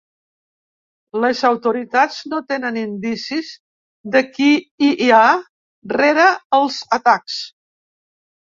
Les autoritats no tenen indicis de qui hi ha rere els atacs.